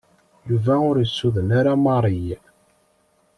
Yuba ur yessuden ara Mary.